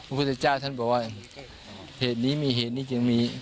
พระพุทธเจ้าบอกว่าเหตุนี้มีเหตุนี้จริงมี